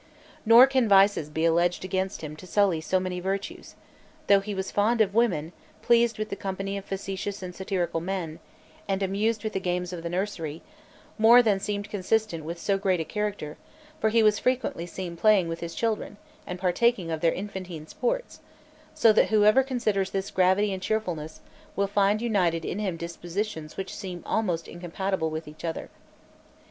Nor can vices be alleged against him to sully so many virtues; though he was fond of women, pleased with the company of facetious and satirical men, and amused with the games of the nursery, more than seemed consistent with so great a character; for he was frequently seen playing with his children, and partaking of their infantine sports; so that whoever considers this gravity and cheerfulness, will find united in him dispositions which seem almost incompatible with each other.